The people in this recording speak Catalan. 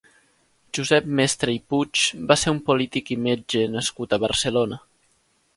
Josep Mestre i Puig va ser un polític i metge nascut a Barcelona.